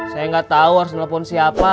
saya gak tahu harus telfon siapa